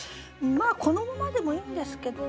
このままでもいいんですけど。